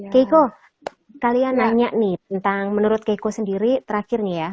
keiko kalian nanya nih tentang menurut keiko sendiri terakhir nih ya